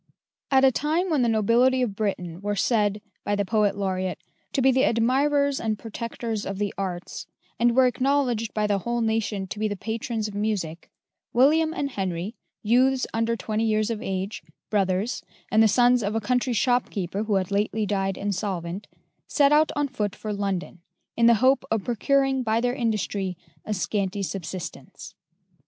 At a time when the nobility of Britain were said, by the poet laureate, to be the admirers and protectors of the arts, and were acknowledged by the whole nation to be the patrons of music William and Henry, youths under twenty years of age, brothers, and the sons of a country shopkeeper who had lately died insolvent, set out on foot for London, in the hope of procuring by their industry a scanty subsistence.